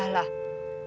lah lah lah